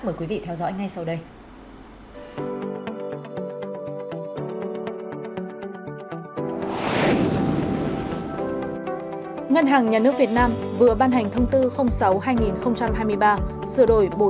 mời quý vị theo dõi ngay sau đây ngân hàng nhà nước việt nam vừa ban hành thông tư sáu mươi hai nghìn hai mươi ba sửa đổi bổ